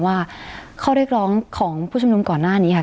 ว่าข้อเรียกร้องของผู้ชุมนุมก่อนหน้านี้ค่ะ